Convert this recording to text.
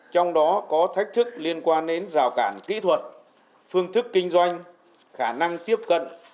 trong đó có thách thức liên quan đến rào cản kỹ thuật phương thức kinh doanh khả năng tiếp cận